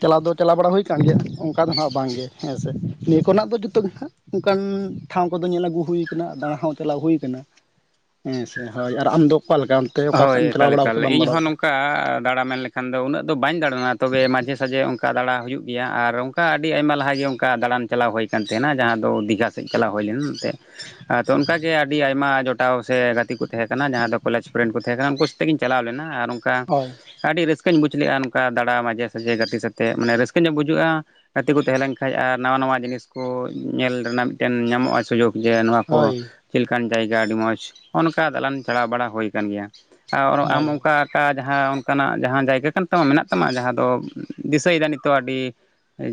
ᱪᱟᱞᱟᱣ ᱫᱚ ᱪᱟᱞᱟᱣ ᱵᱟᱲᱟ ᱦᱩᱭ ᱠᱟᱱ ᱜᱮᱭᱟ ᱚᱱᱠᱟ ᱫᱚ ᱦᱟᱜ ᱵᱟᱝᱜᱮ ᱦᱮᱸ ᱥᱮ ᱱᱤᱭᱟᱹ ᱠᱚᱨᱮᱱᱟᱜ ᱫᱚ ᱡᱩᱛᱚᱜᱮ ᱱᱟᱦᱟᱜ ᱚᱱᱠᱟᱱ ᱴᱷᱟᱸᱣ‌ ᱠᱚᱫᱚ ᱧᱮᱞ ᱟᱹᱜᱩ ᱦᱩᱭ ᱠᱟᱱᱟ ᱫᱟᱬᱟ ᱦᱚᱸ ᱪᱟᱞᱟᱣ ᱦᱩᱭ ᱠᱟᱱᱟ ᱦᱮᱸ ᱥᱮ ᱦᱳᱭ ᱟᱨ ᱟᱢᱫᱚ ᱚᱠᱟ ᱞᱮᱠᱟ ᱚᱱᱛᱮ ᱚᱠᱟ ᱥᱮᱫ ᱮᱢ ᱪᱟᱞᱟᱣ ᱵᱟᱲᱟᱣ ᱥᱮ ᱵᱟᱢ ᱵᱟᱲᱟᱣ ᱠᱟᱫᱟ ᱱᱟ ᱠᱟ ᱟᱨ ᱫᱟᱬᱟ ᱢᱮᱱ ᱞᱮᱠᱷᱟᱱ ᱫᱚ ᱩᱱᱟᱹᱜ ᱫᱚ ᱵᱟᱹᱧ ᱫᱟᱬᱟᱱᱟ ᱛᱚᱵᱮ ᱢᱟᱡᱷᱮ ᱥᱟᱡᱷᱮ ᱚᱱᱠᱟ ᱫᱟᱬᱟ ᱦᱩᱭᱩᱜ ᱜᱮᱭᱟ ᱟᱨ ᱚᱱᱠᱟ ᱟᱹᱰᱤ ᱟᱭᱢᱟ ᱞᱟᱦᱟᱮ ᱚᱱᱠᱟ ᱫᱟᱬᱟᱱ ᱪᱟᱞᱟᱣ ᱦᱩᱭ ᱟᱠᱟᱱ ᱛᱟᱦᱮᱱᱟ ᱡᱟᱦᱟᱸ ᱫᱚ ᱫᱤᱜᱷᱟ ᱥᱮᱫ ᱪᱟᱞᱟᱣ ᱦᱩᱭ ᱞᱮᱱ ᱛᱮᱫ ᱛᱚ ᱚᱱᱠᱟᱜᱮ ᱟᱹᱰᱤ ᱟᱭᱢᱟ ᱡᱚᱴᱟᱣ ᱥᱮ ᱜᱟᱛᱮ ᱠᱚ ᱛᱟᱦᱮᱸᱠᱟᱱᱟ ᱡᱟᱦᱟᱸ ᱫᱚ ᱠᱚᱞᱮᱡᱽ ᱠᱚ ᱨᱮᱱ ᱠᱚ ᱛᱟᱦᱮᱸ ᱠᱟᱱᱟ ᱩᱱᱠᱩ ᱥᱟᱛᱮᱜᱤᱧ ᱪᱟᱞᱟᱣ ᱞᱮᱱᱟ ᱟᱨ ᱚᱱᱠᱟ ᱦᱳᱭ ᱟᱹᱰᱤ ᱨᱟᱹᱥᱠᱟᱹᱧ ᱵᱩᱡᱽ ᱞᱮᱜᱼᱟ ᱱᱚᱝᱠᱟ ᱫᱟᱬᱟ ᱢᱟᱡᱷᱮ ᱥᱟᱡᱷᱮ ᱜᱟᱛᱮ ᱥᱟᱛᱮᱫ ᱢᱟᱱᱮ ᱨᱟᱹᱥᱠᱟᱹ ᱧᱚᱜ ᱵᱩᱡᱟᱹᱜᱼᱟ ᱜᱟᱛᱮ ᱠᱚ ᱛᱟᱦᱮᱸ ᱞᱮᱱᱠᱷᱟᱡ ᱟᱨ ᱱᱟᱣᱟ ᱱᱟᱣᱟ ᱡᱤᱱᱤᱥ ᱠᱚ ᱧᱮᱞ ᱨᱮᱱᱟᱜ ᱢᱤᱫᱴᱮᱱ ᱧᱟᱢᱚᱜᱼᱟ ᱥᱩᱡᱳᱜᱽ ᱡᱮ ᱱᱚᱣᱟ ᱠᱚ ᱦᱳᱭ ᱪᱮᱫ ᱞᱮᱠᱟᱱ ᱡᱟᱭᱜᱟ ᱟᱹᱰᱤ ᱢᱚᱡᱽ ᱱᱚᱜ ᱱᱚᱝᱠᱟ ᱫᱟᱞᱟᱱ ᱪᱟᱞᱟᱣ ᱵᱟᱲᱟ ᱦᱩᱭ ᱟᱠᱟᱱ ᱜᱮᱭᱟ ᱟ ᱚᱨᱚᱜ ᱟᱢ ᱦᱳᱭ ᱚᱱᱠᱟ ᱠᱟ ᱡᱟᱦᱟᱸ ᱚᱱᱠᱟᱱᱟᱜ ᱡᱟᱦᱟᱸ ᱡᱟᱭᱜᱟ ᱠᱟᱱ ᱛᱟᱢᱟ ᱢᱮᱱᱟᱜ ᱛᱟᱢᱟ ᱡᱟᱦᱟᱸ ᱫᱚ ᱫᱤᱥᱟᱹᱭᱮᱫᱟ ᱱᱤᱛᱚᱜ ᱟᱹᱰᱤ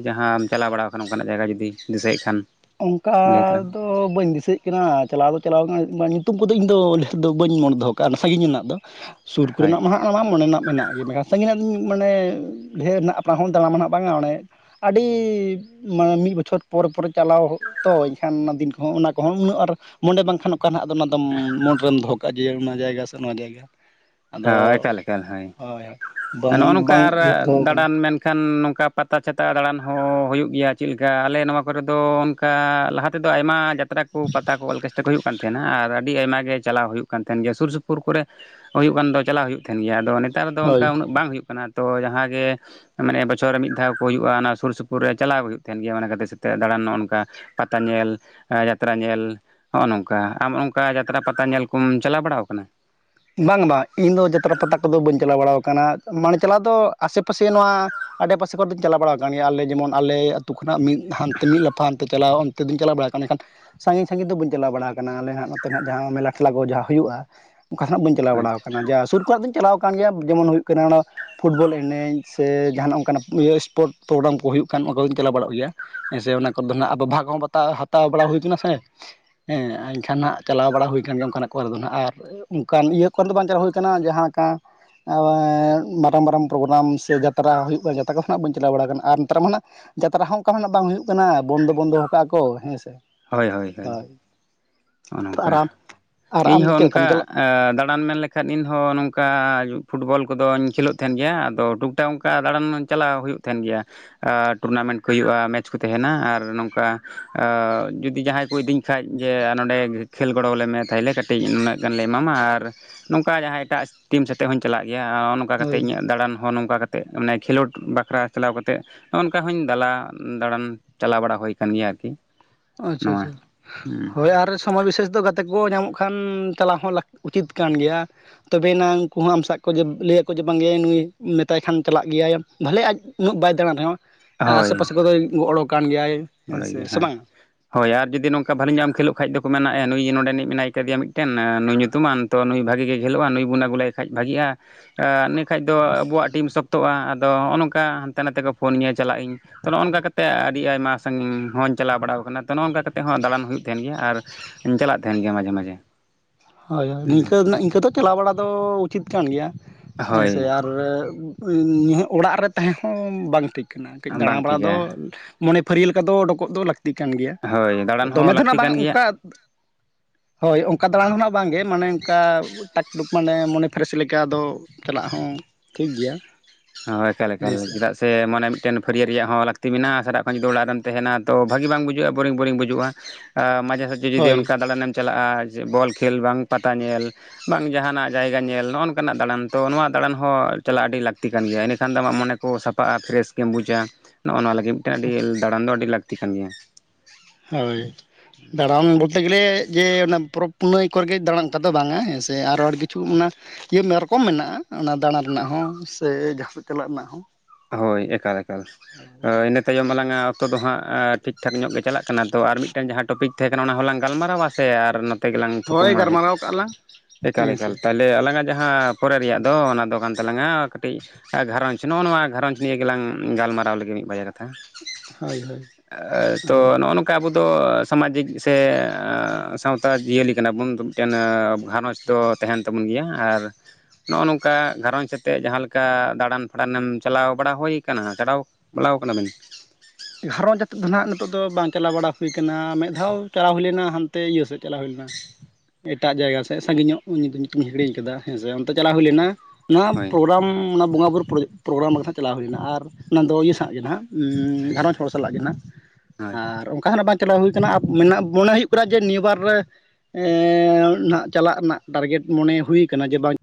ᱡᱟᱦᱟᱸᱢ ᱪᱟᱞᱟᱣ ᱵᱟᱲᱟᱣ ᱠᱟᱱᱟ ᱚᱱᱠᱟᱱᱟᱜ ᱡᱟᱭᱜᱟ ᱡᱩᱫᱤ ᱫᱤᱥᱟᱹᱭᱮᱫ ᱠᱷᱟᱱ ᱚᱱᱠᱟ ᱞᱟᱹᱭ ᱛᱟᱞᱟᱝ ᱫᱚᱧ ᱵᱟᱹᱧ ᱫᱤᱥᱟᱹᱭᱮᱫ ᱠᱟᱱᱟ ᱪᱟᱞᱟᱣ ᱫᱚ ᱪᱟᱞᱟᱣ ᱠᱟᱱᱟ ᱧᱩᱛᱩᱢ ᱠᱚᱫᱚ ᱤᱧᱫᱚ ᱫᱚ ᱵᱟᱹᱧ ᱢᱚᱱᱮ ᱫᱚᱦᱚ ᱠᱟᱜᱼᱟ ᱥᱟᱺᱜᱤᱧ ᱨᱮᱱᱟᱜ ᱫᱚ ᱥᱩᱨ ᱦᱳᱭ ᱠᱚᱨᱮᱱᱟᱜ ᱢᱟ ᱦᱟᱜ ᱢᱟ ᱢᱚᱱᱮᱱᱟᱜ ᱢᱮᱱᱟᱜ ᱜᱮ ᱢᱮᱱᱠᱷᱟᱱ ᱥᱟᱺᱤᱧᱱᱟᱜᱧ ᱢᱟᱱᱮ ᱰᱷᱮᱨ ᱱᱟᱜ ᱟᱯᱱᱟᱨ ᱦᱚᱸ ᱫᱟᱬᱟᱢᱟ ᱱᱟᱦᱟᱜ ᱵᱟᱝᱟ ᱚᱱᱮ ᱟᱹᱰᱤ ᱢᱟᱱᱮ ᱢᱤᱫ ᱵᱚᱪᱷᱚᱨ ᱯᱚᱨᱮ ᱯᱚᱨᱮ ᱪᱟᱞᱟᱣ ᱛᱚ ᱮᱱᱠᱷᱟᱱ ᱚᱱᱟ ᱫᱤᱱ ᱠᱚᱦᱚᱸ ᱚᱱᱟ ᱠᱚᱦᱚᱸ ᱩᱱᱟᱹᱜ ᱟᱨ ᱢᱚᱱᱮ ᱵᱟᱝᱠᱷᱟᱱ ᱚᱱᱠᱟᱱᱟᱜ ᱦᱟᱱᱟᱜ ᱫᱚ ᱚᱱᱟ ᱫᱚ ᱢᱩᱴ ᱨᱮᱢ ᱫᱚᱦᱚ ᱠᱟᱜᱼᱟ ᱡᱮ ᱚᱱᱟ ᱡᱟᱭᱜᱟ ᱥᱮ ᱚᱱᱟ ᱡᱟᱭᱜᱟ ᱟᱫᱚ ᱦᱳᱭ ᱮᱠᱟᱞ ᱮᱠᱟᱞ ᱦᱳᱭ ᱦᱳᱭ ᱵᱟᱝ ᱱᱚᱜᱼᱚ ᱱᱚᱝᱠᱟ ᱵᱟᱝ ᱟᱨ ᱩᱭᱦᱟᱹᱨ ᱫᱚᱦᱚ ᱠᱟᱱᱟ ᱫᱟᱬᱟᱱ ᱢᱮᱱ ᱮᱠᱷᱟᱱ ᱱᱚᱝᱠᱟ ᱯᱟᱛᱟ ᱪᱷᱟᱛᱟ ᱫᱟᱬᱟᱱ ᱦᱚᱸ ᱦᱩᱭᱩᱜ ᱜᱮᱭᱟ ᱪᱮᱫ ᱞᱮᱠᱟ ᱟᱞᱮ ᱱᱚᱣᱟ ᱠᱚᱨᱮ ᱫᱚ ᱚᱱᱠᱟ ᱞᱟᱦᱟ ᱛᱮᱫᱚ ᱟᱭᱢᱟ ᱡᱟ ᱛᱲᱟ ᱠᱚ ᱯᱟᱛᱟ ᱠᱚ ᱚᱨᱠᱮᱥᱴᱟᱨ ᱠᱚ ᱦᱩᱭᱩᱜ ᱠᱟᱱ ᱛᱟᱦᱮᱱᱟ ᱟᱨ ᱟᱹᱰᱤ ᱟᱭᱢᱟ ᱜᱮ ᱪᱟᱞᱟᱣ ᱦᱩᱭᱩᱜ ᱠᱟᱱ ᱛᱟᱦᱮᱱ ᱜᱮᱭᱟ ᱥᱩᱨ ᱥᱩᱯᱩᱨ ᱠᱚᱨᱮ ᱦᱩᱭᱩᱜ ᱠᱟᱱ ᱫᱚ ᱪᱟᱞᱟᱣ ᱦᱩᱭᱩᱜ ᱛᱟᱦᱮᱱ ᱜᱮᱭᱟ ᱟᱫᱚ ᱱᱮᱛᱟᱨ ᱫᱚ ᱦᱳᱭ ᱚᱱᱠᱟ ᱩᱱᱟᱹᱜ ᱵᱟᱝ ᱦᱩᱭᱩᱜ ᱠᱟᱱᱟ ᱛᱚ ᱡᱟᱦᱟᱸᱜ ᱜᱮ ᱢᱟᱱᱮ ᱵᱚᱪᱷᱚᱨ ᱢᱤᱫ ᱫᱷᱟᱣ ᱠᱚ ᱦᱩᱭᱩᱜᱼᱟ ᱚᱱᱟ ᱥᱩᱨ ᱥᱩᱯᱩᱨ ᱨᱮ ᱪᱟᱞᱟᱣ ᱦᱩᱭᱩᱜ ᱛᱟᱦᱮᱱ ᱜᱮᱭᱟ ᱚᱱᱟ ᱜᱟᱛᱮ ᱥᱟᱛᱮ ᱫᱟᱬᱟᱱ ᱱᱚᱜ ᱱᱚᱝᱠᱟ ᱯᱟᱛᱟ ᱧᱮᱞ ᱡᱟᱛᱨᱟ ᱧᱮᱞ ᱱᱚᱜᱼᱚ ᱱᱚᱝᱠᱟ ᱟᱢ ᱚᱝᱠᱟ ᱡᱟᱛᱨᱟ ᱯᱟᱛᱟ ᱧᱮᱞ ᱠᱚᱢ ᱪᱟᱞᱟᱣ ᱵᱟᱲᱟ ᱠᱟᱱᱟ ᱵᱟᱝ ᱵᱟᱝ ᱤᱧ ᱫᱚ ᱡᱚᱛᱨᱟ ᱯᱟᱛᱟ ᱠᱚᱫᱚ ᱵᱟᱹᱧ ᱪᱟᱞᱟᱣ ᱵᱟᱲ ᱠᱟᱱᱟ ᱢᱟᱱᱮ ᱪᱟᱞᱟᱣ ᱫᱚ ᱟᱥᱮᱯᱟᱥᱮ ᱱᱚᱣᱟ ᱟᱰᱮᱯᱟᱥᱮ ᱠᱚᱨᱮ ᱫᱚᱧ ᱪᱟᱞᱟᱣ ᱵᱟᱲᱟ ᱠᱟᱱ ᱜᱮᱭᱟ ᱟᱞᱮ ᱡᱮᱢᱚᱱ ᱟᱞᱮ ᱟ ᱟᱹᱛᱩ ᱠᱷᱚᱱᱟᱜ ᱢᱤᱫ ᱦᱟᱱᱛᱮ ᱢᱤᱫ ᱞᱟᱯᱷᱟ ᱦᱟᱱᱛᱮ ᱪᱟᱞᱟᱣ ᱱᱮᱫᱩᱧ ᱪᱟᱞᱟᱣ ᱵᱟᱲᱟ ᱟᱠᱟᱱᱟ ᱮᱱᱠᱷᱟᱱ ᱥᱟᱺᱜᱤᱧ ᱥᱟᱺᱜᱤᱧ ᱵᱟᱹᱧᱟᱣ ᱵᱟᱲᱟ ᱟᱠᱟᱱᱟ ᱟᱞᱮ ᱦᱟᱜ ᱱᱚᱛᱮᱱᱟᱜ ᱡᱟᱦᱟᱸ ᱢᱮᱞᱟ ᱴᱮᱞᱟ ᱠᱚ ᱡᱟᱦᱟᱸ ᱦᱩᱭᱩᱜᱼᱟ ᱚᱠᱟ ᱦᱟᱸᱜ ᱠᱷᱚᱱᱟᱜ ᱵᱟᱹᱧ ᱪᱟᱞᱟᱣ ᱦᱳᱭ ᱵᱟᱲᱟᱟᱣ ᱟᱠᱟᱱᱟ ᱡᱮ ᱥᱩᱨ ᱠᱷᱨᱮᱱᱟᱜ ᱫᱚᱧ ᱪᱟᱞᱟᱣ ᱟᱠᱟᱱ ᱜᱮᱭᱟ ᱡᱮᱢᱚᱱ ᱦᱩᱭᱩᱜ ᱠᱟᱱᱟ ᱚᱱᱟ ᱯᱷᱩᱴᱵᱚᱞ ᱮᱱᱮᱡ ᱥᱮ ᱡᱟᱦᱟᱱᱟᱜ ᱚᱱᱠᱟᱱᱟᱜ ᱤᱭᱟᱹ ᱥᱯᱳᱨᱴ ᱯᱨᱳᱜᱨᱟᱢ ᱠᱚ ᱦᱩᱭᱩᱜ ᱠᱟᱱ ᱚᱱᱟ ᱠᱚᱧ ᱪᱟᱞᱟᱣ ᱵᱟᱲᱟᱜ ᱜᱮᱭᱟ ᱦᱮᱸ ᱥᱮ ᱚᱱᱟ ᱠᱚᱫᱚ ᱦᱱᱟᱜ ᱟᱵᱚ ᱵᱷᱟᱜᱽ ᱦᱟᱛᱟᱣ ᱵᱟᱲᱟ ᱦᱩᱭᱵᱚᱱᱟ ᱥᱮ ᱦᱮᱸ ᱮᱱᱠᱷᱟᱱ ᱦᱟᱸᱜ ᱪᱟᱞᱟᱣ ᱵᱟᱲᱟ ᱦᱩᱭ ᱠᱟᱱᱟᱱ ᱜᱮᱭᱟ ᱚᱱᱠᱟᱱᱟᱜ ᱠᱚᱨᱮ ᱫᱚ ᱦᱟᱸᱜ ᱟᱨ ᱚᱱᱠᱟᱱ ᱤᱭᱟᱹ ᱠᱚᱨᱮ ᱫᱚ ᱵᱟᱝ ᱪᱟᱞᱟᱣ ᱦᱩᱭ ᱠᱟᱱᱟ ᱡᱟᱦᱟᱸᱠᱟ ᱟᱦᱮᱸᱫ ᱢᱟᱨᱟᱝ ᱢᱟᱨᱟᱝ ᱯᱨᱳᱜᱨᱟᱢ ᱥᱮ ᱡᱟᱛᱨᱟ ᱦᱩᱭᱩᱜ ᱠᱟᱱᱟ ᱡᱟᱛᱨᱟ ᱠᱚ ᱠᱚ ᱱᱟᱦᱟᱸᱜ ᱵᱟᱹᱧ ᱪᱟᱞᱟᱣ ᱵᱟᱲᱟ ᱠᱟᱱᱟ ᱟᱨ ᱱᱮᱛᱟᱨ ᱢᱟ ᱱᱟᱜ ᱡᱟᱛᱨᱟ ᱦᱚᱸ ᱚᱱᱠᱟᱱᱟᱜ ᱵᱟᱝ ᱦᱩᱭᱩᱜ ᱠᱟᱱᱟ ᱵᱚᱱᱫᱚ ᱵᱚᱱᱫᱚ ᱠᱟᱜ ᱠᱚ ᱦᱮᱸ ᱥᱮ ᱦᱳᱭ ᱦᱳᱭ ᱦᱳᱭ ᱚᱱᱚ ᱟᱨ ᱚᱝᱠᱟ ᱟᱢ ᱟᱨ ᱤᱧ ᱟᱢ ᱫᱚ ᱦᱚᱸ ᱪᱮᱫ ᱞᱮᱠᱟᱢ ᱚᱱᱠᱟ ᱪᱟᱞᱟᱜ ᱟᱸ ᱫᱟᱬᱟᱱ ᱢᱮᱱ ᱞᱮᱠᱷᱟᱱ ᱤᱧᱦᱚᱸ ᱱᱚᱝᱠᱟ ᱯᱷᱩᱴᱵᱚᱞ ᱠᱚᱫᱚᱧ ᱠᱷᱮᱞᱳᱜ ᱛᱟᱦᱮᱱ ᱜᱮᱭᱟ ᱟᱫᱚ ᱴᱩᱵ ᱚᱱᱠᱟ ᱫᱟᱬᱟᱱ ᱪᱟᱞᱟᱣ ᱦᱩᱭᱩᱜ ᱛᱟᱦᱮᱱ ᱜᱮᱭᱟ ᱟᱨ ᱴᱩᱨᱱᱟᱢᱮᱱᱴ ᱠᱚ ᱦᱩᱭᱩᱜᱼᱟ ᱢᱮᱪ ᱠᱚ ᱛᱟᱦᱮᱱᱟ ᱟᱨ ᱱᱚᱝᱠᱟ ᱟᱹᱻ ᱡᱩᱫᱤ ᱡᱟᱦᱟᱸᱭ ᱠᱚ ᱤᱫᱤᱧ ᱠᱷᱟᱡ ᱡᱮ ᱟᱨ ᱱᱚᱸᱰᱮ ᱠᱷᱮᱞ ᱜᱚᱲᱚ ᱟᱞᱮᱢᱮ ᱛᱟᱦᱚᱞᱮ ᱠᱟᱹᱴᱤᱡ ᱱᱩᱱᱟᱹᱜ ᱜᱟᱱᱞᱮ ᱮᱢᱟᱢᱟ ᱟᱨ ᱱᱚᱝᱠᱟ ᱡᱟᱦᱟᱸ ᱮᱴᱟᱜ ᱴᱤᱢ ᱥᱟᱛᱮᱜ ᱦᱚᱧ ᱪᱟᱞᱟᱜ ᱜᱮᱭᱟ ᱱᱚᱜ ᱱᱚᱝᱠᱟ ᱠᱟ ᱦᱳᱭ ᱠᱟᱛᱮᱜ ᱤᱧᱟᱹᱜ ᱫᱟᱬᱟᱱ ᱦᱚᱸ ᱱᱚᱝᱠᱟ ᱠᱟᱛᱮ ᱛᱮᱜ ᱢᱟᱱᱮ ᱠᱷᱮᱞᱳᱰ ᱵᱟᱠᱷᱨᱟ ᱪᱟᱞᱟᱣ ᱠᱟᱛᱮᱫ ᱱᱚᱜ ᱱᱚᱝᱠᱟ ᱦᱚᱧ ᱫᱟᱞᱟ ᱫᱟᱬᱟᱱ ᱪᱟᱞᱟᱣ ᱵᱟᱲᱟ ᱦᱩᱭ ᱟᱠᱟᱱ ᱜᱮᱭᱟ ᱟ. ᱨᱠᱤ ᱟᱪᱪᱷᱟ ᱟᱪᱪᱷᱟ ᱦᱳᱭ ᱟᱨ ᱥᱚᱢᱚᱭ ᱵᱤᱥᱮᱥ ᱫᱚ ᱜᱟᱛᱮ ᱠᱚ ᱧᱟᱢᱚᱜ ᱠᱷᱟᱱ ᱪᱟᱞᱟᱣ ᱦᱚᱸ ᱞᱟᱠ ᱩᱪᱤᱛ ᱠᱟᱱ ᱜᱮᱭᱟ ᱛᱚᱵᱮ ᱭᱟᱱᱟᱝ ᱩᱱᱠᱩ ᱦᱚᱸ ᱟᱢ ᱥᱟᱵ ᱠᱚ ᱡᱮ ᱞᱟᱹᱭᱟᱠᱚ ᱡᱮ ᱵᱟᱝᱭᱟ ᱱᱩᱭ ᱢᱮᱛᱟᱭ ᱠᱷᱟᱱ ᱪᱟᱞᱟᱜ ᱜᱮᱭᱟᱭᱮ ᱵᱷᱟᱞᱮ ᱟᱡ ᱩᱱᱟᱹᱜ ᱵᱟᱭ ᱫᱟᱬᱟᱱ ᱨᱮᱦᱚᱸ ᱦᱳᱭ ᱟᱥᱮ ᱯᱟᱥᱮ ᱠᱚᱫᱚᱭ ᱜᱚᱲᱚ ᱠᱟᱱ ᱜᱮᱭᱟᱭ ᱵᱟᱲᱟᱭ ᱥᱮ ᱜᱮᱭᱟ ᱥᱮ ᱦᱮᱸ ᱵᱟᱝ ᱦᱳᱭ ᱟᱨ ᱡᱩᱫᱤ ᱱᱚᱝᱠᱟ ᱵᱷᱟᱞᱤ ᱧᱚᱜ-ᱮᱢ ᱠᱷᱮᱞᱳᱜ ᱠᱷᱟᱡ ᱫᱚ ᱠᱚ ᱢᱮᱱᱟᱼᱟ ᱱᱩᱭ ᱱᱚᱰᱮᱱᱤᱡ ᱢᱮᱱᱟᱭ ᱠᱟᱫᱮᱭᱟ ᱢᱤᱫᱴᱮᱱ ᱱᱩᱭ ᱧᱩᱛᱩᱢᱟᱱ ᱛᱚ ᱱᱩᱭ ᱵᱷᱟᱜᱮ ᱜᱮ ᱠᱷᱮᱞᱚᱜᱼᱟ ᱱᱩᱭ ᱵᱚᱱ ᱟᱹᱜᱩ ᱞᱮᱭ ᱠᱷᱟᱡ ᱵᱷᱟᱹᱜᱤᱜᱼᱟ ᱤᱱᱟᱹ ᱠᱷᱟᱡ ᱫᱚ ᱟᱵᱚᱣᱟᱜ ᱴᱤᱢ ᱥᱚᱠᱛᱚᱜᱼᱟ ᱟᱫᱚ ᱦᱚᱸᱜᱼᱚ ᱱᱚᱝᱠᱟ ᱦᱟᱱᱛᱮ ᱱᱟᱛᱮ ᱠᱚ ᱯᱷᱳᱱᱤᱧᱟᱹ ᱪᱟᱞᱟᱜ ᱤᱧ ᱛᱚ ᱱᱚᱜᱼᱚᱱᱠᱟ ᱠᱟᱛᱮ ᱟᱹᱰᱤ ᱟᱭᱢᱟ ᱥᱟᱺᱜᱤᱧ ᱦᱚᱧ ᱪᱟᱞᱟᱣ ᱵᱟᱲᱟ ᱠᱟᱱᱟ ᱛᱚ ᱱᱚᱜ-ᱚᱝᱠᱟ ᱠᱟᱛᱮᱫ ᱦᱚᱸ ᱫᱟᱬᱟᱱ ᱦᱩᱭᱩᱜ ᱛᱟᱦᱮᱱ ᱜᱮᱭᱟ ᱟᱨ ᱤᱧ ᱪᱟᱞᱟᱜ ᱛᱟᱦᱮᱱ ᱜᱮᱭᱟ ᱢᱟᱡᱷᱮ ᱢᱟᱡᱷᱮ᱾ ᱦᱳᱭ ᱦᱳᱭ ᱱᱤᱝᱠᱟᱹ ᱤᱝᱠᱟᱹ ᱫᱚ ᱪᱟᱞᱟᱣ ᱵᱟᱲᱟ ᱫᱚ ᱩᱪᱤᱛ ᱠᱟᱱ ᱜᱮᱭᱟ ᱦᱮᱸ ᱦᱳᱭ ᱥᱮ ᱟᱨ ᱟᱹ [unintelligible] ᱚᱲᱟᱜ ᱨᱮ ᱛᱟᱦᱮᱸ ᱦᱚᱸ ᱵᱟᱝ ᱴᱷᱤᱠ ᱠᱟᱱᱟ ᱠᱟᱹᱡ ᱵᱟᱝ ᱫᱟᱬᱟᱵᱟᱲᱟ ᱫᱚ ᱴᱷᱤᱠᱟ ᱢᱚᱱᱮ ᱯᱷᱟᱹᱨᱭᱟᱹ ᱞᱮᱠᱟ ᱫᱚ ᱚᱰᱚᱠᱚᱜ ᱫᱚ ᱞᱟᱹᱠᱛᱤ ᱠᱟᱱ ᱜᱮᱭᱟ, ᱦᱳᱭ ᱫᱟᱬᱟᱱ ᱫᱚᱢᱮ ᱦᱚᱸ ᱫᱚ ᱞᱟᱹᱠᱛᱤ ᱱᱷᱟᱜ ᱵᱟᱝ ᱠᱟᱱ ᱜᱮᱭᱟ ᱚᱱᱠᱟ ᱦᱳᱭ ᱚᱱᱠᱟ ᱫᱟᱬᱟᱱ ᱫᱚ ᱱᱟᱜ ᱵᱟᱝᱜᱮ ᱢᱟᱱᱮ ᱚᱱᱠᱟ ᱳᱭ ᱴᱟᱠᱴᱩᱠ ᱢᱟᱱᱮ ᱢᱚᱱᱮ ᱯᱷᱨᱮᱥ ᱞᱮᱠᱟ ᱫᱚ ᱪᱟᱞᱟᱜ ᱦᱚᱸ ᱴᱷᱤᱠ ᱜᱮᱭᱟ᱾ ᱦᱳᱭ ᱮᱠᱟᱞ ᱮᱠᱟᱞ ᱪᱮᱫᱟᱜ ᱥᱮ ᱥᱮ ᱢᱚᱱᱮ ᱢᱤᱫᱴᱮᱱ ᱯᱷᱟᱹᱨᱭᱟᱹ ᱨᱮᱭᱟᱜ ᱦᱚᱸ ᱞᱟᱹᱠᱛᱤ ᱢᱮᱱᱟᱜᱼᱟ ᱥᱮ ᱥᱟᱨᱟᱜ ᱠᱷᱚᱱ ᱡᱩᱫᱤ ᱚᱲᱟᱜ ᱨᱮᱢ ᱛᱟᱦᱮᱱᱟ ᱛᱚ ᱵᱷᱟᱹᱜᱤ ᱵᱟᱝ ᱵᱩᱡᱩᱜᱼᱟ ᱵᱳᱨᱤᱝ ᱵᱳᱨᱤᱝ ᱵᱩᱡᱩᱜᱼᱟ ᱟ ᱢᱟᱡᱷᱮ ᱥᱟᱡᱷᱮ ᱡᱩᱫᱤ ᱦᱳᱭ ᱚᱱᱠᱟ ᱫᱟᱬᱟᱱᱮᱢ ᱪᱟᱞᱟᱜᱼᱟ, ᱡᱮ ᱵᱚᱞ ᱠᱷᱮᱞ ᱵᱟᱝ ᱯᱟᱛᱟ ᱧᱮᱞ ᱵᱟᱝ ᱡᱟᱦᱟᱱᱟᱜ ᱡᱟᱭᱜᱟ ᱧᱮᱞ ᱱᱚᱜᱼᱚᱱᱠᱟᱱᱟᱜ ᱫᱟᱬᱟᱱ ᱛᱚ, ᱱᱚᱣᱟ ᱫᱟᱬᱟᱱ ᱦᱚᱸ ᱪᱟᱞᱟᱜ ᱟᱹᱰᱤ ᱞᱟᱠᱛᱤ ᱠᱟᱱ ᱜᱮᱭᱟ ᱤᱱᱟᱹᱠᱷᱟᱱ ᱫᱚ ᱟᱢᱟᱜ ᱢᱚᱱᱮ ᱠᱚ ᱥᱟᱯᱷᱟᱜᱼᱟ ᱯᱷᱨᱮᱥ ᱜᱮᱢ ᱵᱩᱡᱟ᱾ ᱱᱚᱜᱼᱚ ᱱᱚᱣᱟ ᱞᱟᱹᱜᱤᱫ ᱢᱤᱫᱴᱮᱱ ᱟᱹᱰᱤ ᱫᱟᱬᱟᱱ ᱫᱚ ᱟᱹᱰᱤ ᱞᱟᱹᱠᱛᱤ ᱠᱟᱱ ᱜᱮᱭᱟ᱾ ᱦᱳᱭ ᱫᱟᱬᱟᱱ ᱵᱚᱞᱛᱮ ᱜᱮᱞᱮ ᱡᱮ ᱚᱱᱟ ᱯᱚᱨᱚᱵᱽ ᱯᱩᱱᱟᱹᱭ ᱠᱚᱨᱮᱜᱮ ᱫᱟᱬᱟᱱ ᱚᱱᱠᱟ ᱫᱚ ᱵᱟᱝᱟ ᱦᱮᱸ ᱥᱮ ᱟᱨᱚ ᱟᱹᱰᱤ ᱠᱤᱪᱷᱩ ᱚᱱᱟ ᱤᱭᱟᱹ ᱢᱮ ᱨᱮᱠᱚᱢ ᱢᱮᱱᱟᱜᱼᱟ ᱚᱱᱟ ᱫᱟᱬᱟ ᱨᱮᱱᱟᱜ ᱦᱚᱸ ᱥᱮ ᱡᱟᱦᱟᱸ ᱥᱮᱫ ᱪᱟᱞᱟᱜ ᱨᱮᱱᱟᱜ ᱦᱚᱸ᱾ ᱦᱳᱭ ᱮᱠᱟᱞ ᱮᱠᱟᱞ ᱤᱱᱟᱹ ᱛᱟᱭᱚᱢ ᱟᱞᱟᱝᱟᱜ ᱚᱠᱛᱚ ᱫᱚ ᱦᱟᱸᱜ ᱴᱷᱤᱠ ᱴᱷᱟᱠ ᱧᱚᱜ ᱜᱮ ᱪᱟᱞᱟᱜ ᱠᱟᱱᱟ ᱛᱚ ᱟᱨ ᱢᱤᱫᱴᱟᱝ ᱡᱟᱦᱟᱸ ᱴᱚᱯᱤᱠ ᱛᱟᱦᱮᱸ ᱠᱟᱱᱟ ᱚᱱᱟ ᱦᱚᱸᱞᱟᱝ ᱜᱟᱞᱢᱟᱨᱟᱣᱟ ᱥᱮ ᱟᱨ ᱱᱚᱛᱮ ᱜᱮᱞᱟᱝ ᱦᱳᱭ ᱛᱷᱩᱠᱟᱹᱢᱟ? ᱜᱟᱞᱢᱟᱨᱟᱣ ᱠᱟᱜᱼᱟ ᱞᱟᱝ ᱮᱠᱟᱞ ᱦᱮᱸ ᱥᱮ ᱮᱠᱟᱞ ᱞᱮ ᱟᱞᱟᱝᱟᱜ ᱡᱟᱦᱟᱸ ᱯᱚᱨᱮ ᱨᱮᱭᱟᱜ ᱫᱚ ᱚᱱᱟ ᱫᱚ ᱠᱟᱱ ᱛᱟᱞᱟᱝᱟ ᱠᱟᱹᱴᱤᱡ ᱜᱷᱟᱨᱚᱸᱡᱽ ᱱᱚᱜᱼᱚ ᱱᱚᱣᱟ ᱜᱷᱟᱨᱚᱸᱡᱽ ᱱᱤᱭᱮᱹ ᱜᱮᱞᱟᱝ ᱜᱟᱞᱢᱟᱨᱟᱣ ᱞᱮᱜᱮ ᱢᱤᱫ ᱵᱟᱨᱭᱟ ᱠᱟᱛᱷᱟ, ᱦᱳᱭ ᱦᱳᱭ ᱮᱸ ᱟᱫᱚ ᱛᱚ ᱱᱚᱜᱼᱚ ᱱᱚᱝᱠᱟ ᱟᱵᱚᱫᱚ ᱥᱟᱢᱟᱡᱤᱠ ᱥᱮ ᱥᱟᱶᱛᱟ ᱡᱤᱭᱟᱹᱞᱤ ᱠᱟᱱᱟᱵᱚᱱ ᱢᱤᱫᱴᱮᱱ ᱜᱷᱟᱨᱚᱸᱡᱽ ᱫᱚ ᱛᱟᱦᱮᱱ ᱛᱟᱵᱚᱱ ᱜᱮᱭᱟ ᱟᱨ ᱱᱚᱜᱼᱚ ᱱᱚᱝᱠᱟ ᱜᱷᱟᱨᱚᱸᱡᱽ ᱟᱛᱮᱫ ᱡᱟᱦᱟᱸ ᱞᱮᱠᱟ ᱫᱟᱬᱟᱱ ᱯᱷᱟᱲᱟᱱ ᱮᱢ ᱪᱟᱞᱟᱣ ᱵᱟᱲᱟ ᱦᱩᱭ ᱠᱟᱱᱟ ᱪᱟᱞᱟᱣ ᱵᱟᱲᱟ ᱠᱟᱱᱟᱵᱤᱱ? ᱜᱷᱟᱨᱚᱸᱡᱽ ᱟᱛᱮᱫ ᱫᱚ ᱱᱷᱟᱜ ᱱᱤᱛᱚᱜ ᱫᱚ ᱵᱟᱝ ᱪᱟᱞᱟᱣ ᱵᱟᱲᱟ ᱦᱩᱭ ᱠᱟᱱᱟ ᱢᱮᱫ ᱫᱷᱟᱣ ᱪᱟᱞᱟᱣ ᱦᱩᱭ ᱞᱮᱱᱟ ᱦᱟᱱᱛᱮ ᱤᱭᱟᱹ ᱥᱮᱫ ᱪᱟᱞᱟᱣ ᱦᱩᱭ ᱞᱮᱱᱟ ᱮᱴᱟᱜ ᱡᱟᱭᱜᱟ ᱥᱮᱫ ᱥᱟᱺᱜᱤᱧᱚᱜ ᱧᱩᱛᱩᱢ ᱤᱧ ᱦᱤᱲᱤᱧ ᱠᱟᱫᱟ ᱦᱮᱸᱥᱮ ᱚᱱᱛᱮ ᱪᱟᱞᱟᱣ ᱦᱩᱭ ᱞᱮᱱᱟ ᱱᱚᱣᱟ ᱦᱳᱭ ᱯᱨᱳᱜᱨᱟᱢ ᱚᱱᱟ ᱵᱚᱸᱜᱟ ᱵᱩᱨᱩ ᱯᱨᱳ ᱯᱨᱳᱜᱨᱟᱢ ᱨᱮᱦᱚᱸ ᱪᱟᱞᱟᱣ ᱦᱩᱭᱱᱟ ᱟᱨ ᱚᱱᱟ ᱫᱚ ᱤᱭᱟᱹ ᱥᱟᱸᱜ ᱜᱮ ᱱᱷᱟᱜ ᱩᱸᱻ ᱜᱷᱟᱨᱚᱸᱡᱽ ᱦᱚᱲ ᱥᱟᱞᱟᱜ ᱜᱮ ᱱᱷᱟᱜ ᱦᱳᱭ ᱟᱨ ᱚᱱᱠᱟ ᱦᱚᱱᱟᱜ ᱵᱟᱝ ᱪᱟᱞᱟᱣ ᱦᱩᱭ ᱠᱟᱱᱟ ᱟᱨ ᱢᱚᱱᱮ ᱦᱩᱭᱩᱜ ᱠᱟᱱᱟ ᱡᱮ ᱱᱤᱭᱟᱹᱵᱟᱨ ᱨᱮ ᱮᱸᱻ ᱱᱷᱟᱜ ᱪᱟᱞᱟᱜ ᱨᱮᱱᱟᱜ ᱴᱟᱨᱜᱮᱴ ᱢᱚᱱᱮ ᱦᱩᱭ ᱠᱟᱱᱟ ᱡᱮ ᱵᱟᱝ